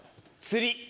釣り。